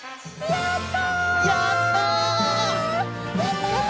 やった！